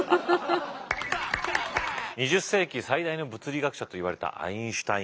２０世紀最大の物理学者といわれたアインシュタイン。